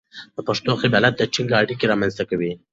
د پښتو قبالت د ټینګه اړیکه رامنځته کوي.